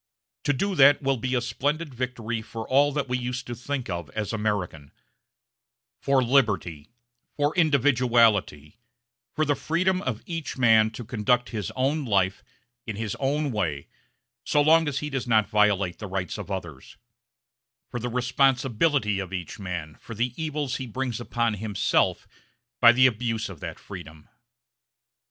To do that will be a splendid victory for all that we used to think of as American for liberty, for individuality, for the freedom of each man to conduct his own life in his own way so long as he does not violate the rights of others, for the responsibility of each man for the evils he brings upon himself by the abuse of that freedom.